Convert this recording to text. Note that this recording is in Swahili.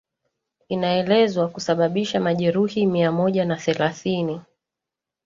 inaelezwa kusababisha majeruhi mia moja na thelathini